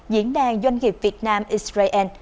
diễn đàn doanh nghiệp việt nam israel